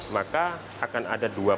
maka akan ada dua panel hakim